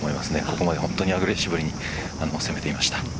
ここまでアグレッシブに攻めていました。